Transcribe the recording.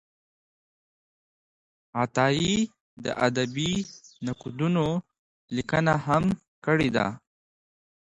عطایي د ادبي نقدونو لیکنه هم کړې ده.